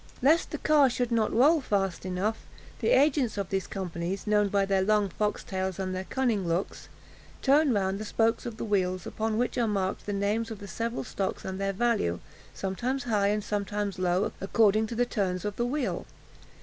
Lest the car should not roll fast enough, the agents of these companies, known by their long fox tails and their cunning looks, turn round the spokes of the wheels, upon which are marked the names of the several stocks and their value, sometimes high and sometimes low, according to the turns of the wheel.